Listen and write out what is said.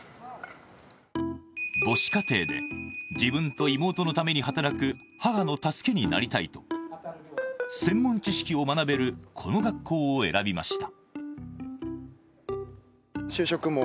母子家庭で自分と母親のために働く助けになりたいと、専門知識を学べるこの学校を選びました。